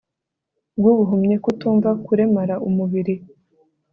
bwubuhumyi kutumva kuremara umubiri